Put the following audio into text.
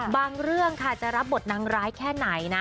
เรื่องค่ะจะรับบทนางร้ายแค่ไหนนะ